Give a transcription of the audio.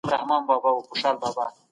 د بدخشان مرکزي ښار فیضآباد دی.